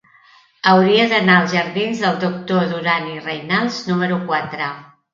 Hauria d'anar als jardins del Doctor Duran i Reynals número quatre.